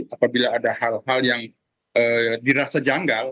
apabila ada hal hal yang dirasa janggal